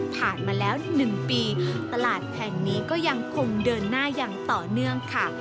ผ่านมาแล้ว๑ปีตลาดแห่งนี้ก็ยังคงเดินหน้าอย่างต่อเนื่องค่ะ